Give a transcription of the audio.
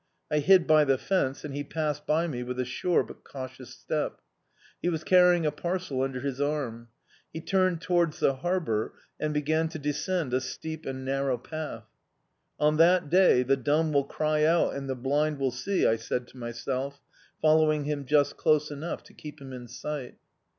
I hid by the fence, and he passed by me with a sure but cautious step. He was carrying a parcel under his arm. He turned towards the harbour and began to descend a steep and narrow path. "On that day the dumb will cry out and the blind will see," I said to myself, following him just close enough to keep him in sight.